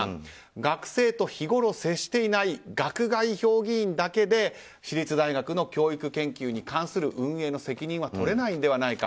学生と日ごろ接していない学外評議員だけで私立大学の教育研究に関する運営の責任はとれないのではないか。